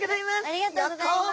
ありがとうございます！